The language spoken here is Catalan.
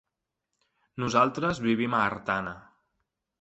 Nosaltres vivim a Artana.